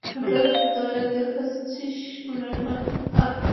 হঠাৎ দয়া দেখাচ্ছিস মনে হয়, হাহ?